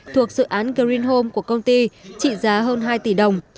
thuộc dự án green home của công ty trị giá hơn hai tỷ đồng